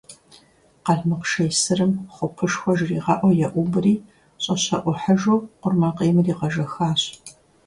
Къэлмыкъ шей сырым «хъупышхуэ» жригъэӀэу еӀубри, щӀэщэӀухьыжу къурмэкъейм иригъэжэхащ.